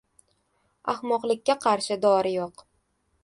• Ahmoqlikka qarshi dori yo‘q.